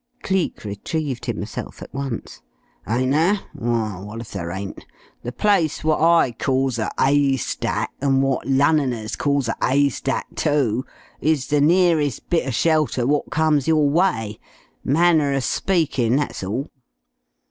Cleek retrieved himself at once. "Ain't there? Well, wot if there ain't? The place wot I calls a 'aystack an' wot Lunnoners calls a 'aystack too is the nearest bit of shelter wot comes your way. Manner of speakin', that's all."